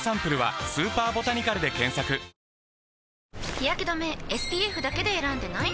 日やけ止めＳＰＦだけで選んでない？